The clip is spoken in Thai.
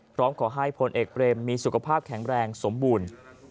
พร้อมขอให้พลเอกเบรมมีสุขภาพแข็งแรงสมบูรณ์